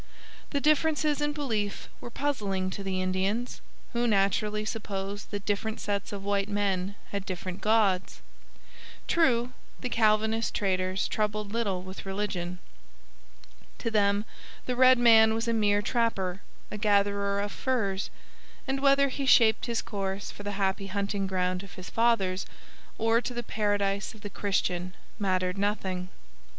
The differences in belief were puzzling to the Indians, who naturally supposed that different sets of white men had different gods. True, the Calvinist traders troubled little with religion. To them the red man was a mere trapper, a gatherer of furs; and whether he shaped his course for the happy hunting ground of his fathers or to the paradise of the Christian mattered nothing.